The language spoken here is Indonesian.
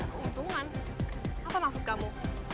keuntungan apa maksud kamu